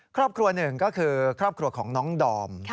ครอบครัวหนึ่งก็คือครอบครัวของน้องดอม